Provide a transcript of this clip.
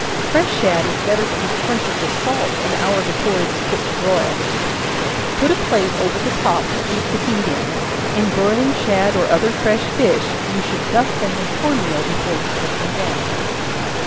Fresh shad is better to be sprinkled with salt, an hour before it is put to broil; put a plate over the top to keep the heat in. In broiling shad or other fresh fish you should dust them with corn meal before you put them down.